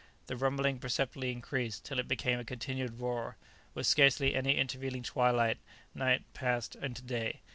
The rumbling perceptibly increased till it became a continued roar. With scarcely any intervening twilight night passed into day.